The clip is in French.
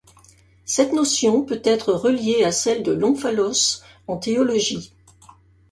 Cette notion peut être reliée à celle de l'omphalos en théologie.